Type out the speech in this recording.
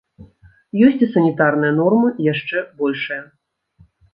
Ёсць і санітарныя нормы яшчэ большыя.